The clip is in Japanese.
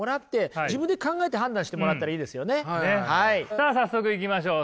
さあ早速いきましょう。